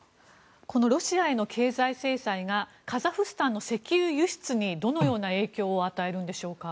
このロシアへの経済制裁がカザフスタンの石油輸出にどのような影響を与えるんでしょうか。